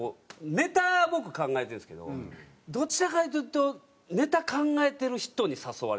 ネタ僕考えてるんですけどどちらかというとネタ考えてる人に誘われたいっていう。